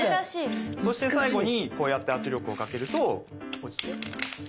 そして最後にこうやって圧力をかけると落ちていきます。